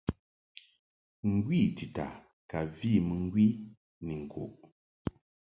Ngwi tita ka vi mɨŋgwi ni ŋkuʼ.